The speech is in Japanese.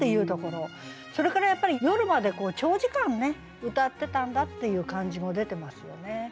それからやっぱり夜まで長時間歌ってたんだっていう感じも出てますよね。